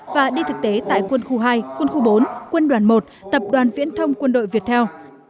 và đi thực tế tại quân khu hai quân khu bốn quân đoàn một tập đoàn viễn thông quân đội việt theo